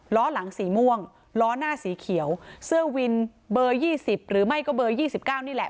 ล้อหลังสีม่วงล้อหน้าสีเขียวเสื้อวินเบอร์ยี่สิบหรือไม่ก็เบอร์ยี่สิบเก้านี่แหละ